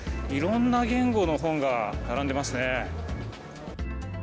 いろんな言語の本が並んでますね。